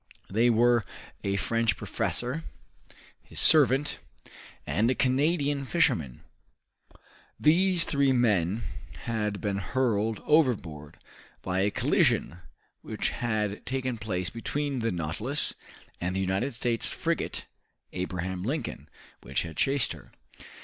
They were a French professor, his servant, and a Canadian fisherman. These three men had been hurled overboard by a collision which had taken place between the "Nautilus" and the United States frigate "Abraham Lincoln," which had chased her.